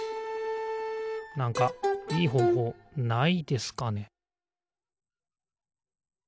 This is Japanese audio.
なんかいいほうほうないですかね？